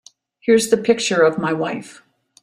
Here's the picture of my wife.